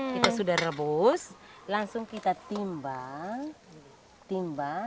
kita sudah rebus langsung kita timbang timbang